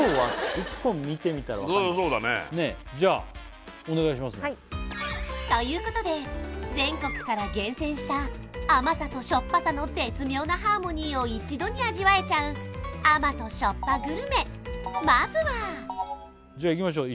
そうだねじゃお願いしますねということで全国から厳選した甘さと塩っぱさの絶妙なハーモニーを一度に味わえちゃう甘＆塩っぱグルメまずはじゃいきましょう